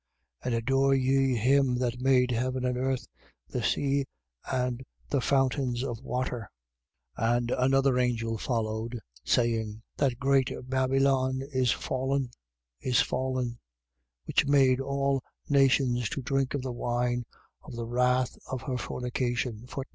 And adore ye him that made heaven and earth, the sea and the fountains of waters. 14:8. And another angel followed, saying: That great Babylon is fallen, is fallen; which made all nations to drink of the wine of the wrath of her fornication.